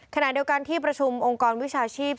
ขณะเดียวกันที่ประชุมองค์กรวิชาชีพ